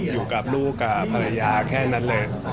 อยู่กับลูกกับภรรยาแค่นั้นเลย